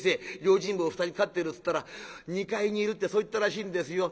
用心棒２人飼ってるっつったら２階にいるってそう言ったらしいんですよ。